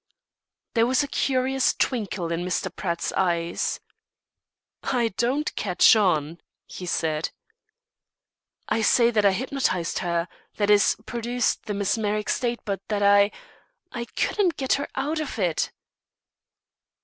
There was a curious twinkle in Mr. Pratt's eyes. "I don't catch on," he said. "I say that I hypnotised her that is, produced the mesmeric state, but that I I couldn't get her out of it."